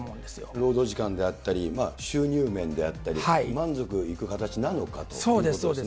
労働時間であったり、収入面であったり、満足いく形なのかとそうですそうです。